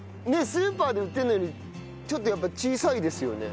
スーパーで売ってるのよりちょっとやっぱ小さいですよね？